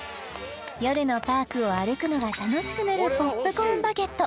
夜のパークを歩くのが楽しくなるポップコーンバケット